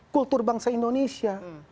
kultur bangsa indonesia